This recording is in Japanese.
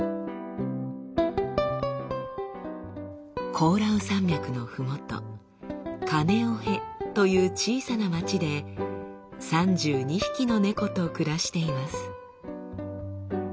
コオラウ山脈のふもとカネオヘという小さな町で３２匹の猫と暮らしています。